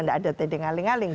tidak ada tending aling aling